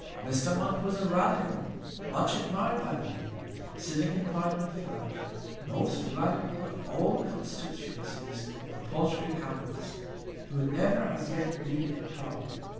Mr. Monk was a Radical, much admired by the people, sitting in Parliament for that most Radical of all constituencies, the Pottery Hamlets, who had never as yet been in power.